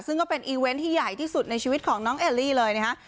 ซึ่งก็เป็นอีเวนต์ที่ใหญ่ที่สุดในชีวิตของน้องเอลลี่เลยนะฮะ